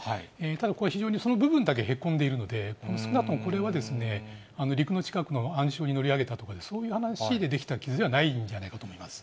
ただ、これ、非常に底の部分だけへこんでいるので、少なくともこれは陸の近くの暗礁に乗り上げたとか、そういう話で出来た傷ではないんじゃないかと思います。